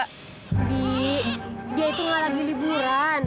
ndi dia itu gak lagi liburan